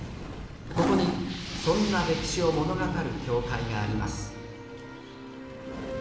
ここにそんな歴史を物語る教会があります